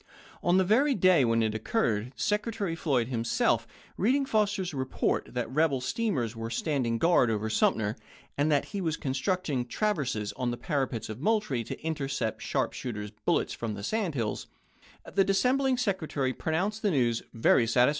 On the very day when it occurred, Secretary Floyd himself, reading Fos ter's report that rebel steamers were standing guard over Sumter, and that he was constructing traverses on the parapets of Moultrie, to intercept sharp shooters' bullets from the sand hills, the dissem aSfJmeS" bling Secretary pronounced the news "very satis